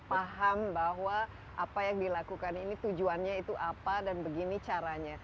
paham bahwa apa yang dilakukan ini tujuannya itu apa dan begini caranya